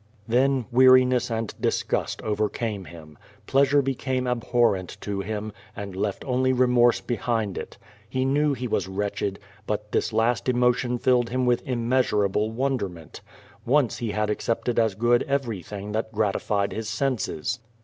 Then weariness and disgust overcame him. Pleasure be came abhorrent to him, and left only remorse behind it. He knew he was wretched, but this last emotion filled him with immeasurable wonderment. Once he had accepted as good everything that gratified his senses.